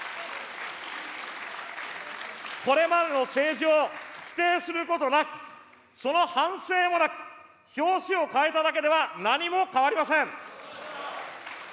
これまでの政治を否定することなく、その反省もなく、表紙を変えただけでは何も変わりません。